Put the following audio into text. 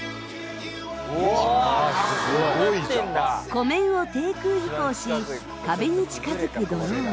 湖面を低空飛行し壁に近付くドローン。